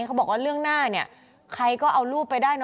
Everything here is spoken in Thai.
เขาบอกว่าเรื่องหน้าเนี่ยใครก็เอารูปไปได้นะ